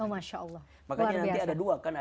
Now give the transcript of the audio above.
makanya kita harus berpikir